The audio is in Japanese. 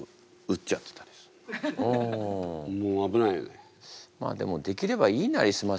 もう危ないよね。